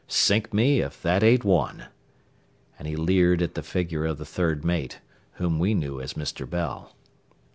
Sink me, if that ain't one." And he leered at the figure of the third mate, whom we knew as Mr. Bell.